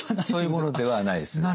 そういうものではないです。